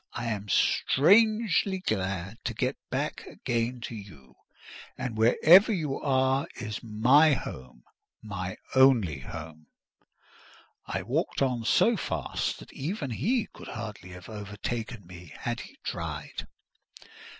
I am strangely glad to get back again to you: and wherever you are is my home—my only home." I walked on so fast that even he could hardly have overtaken me had he tried.